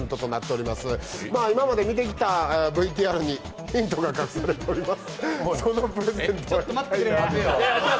今まで見てきたＶＴＲにヒントが隠されております。